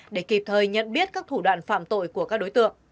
để kịp thời nhận biết các thủ đoạn phạm tội của các đối tượng